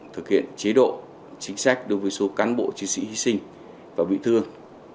thực hiện chế độ chính sách đối với số cán bộ chiến sĩ hy sinh và bị thương